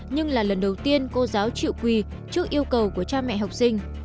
nhưng là lần đầu tiên cô giáo chịu quỳ trước yêu cầu của cha mẹ học sinh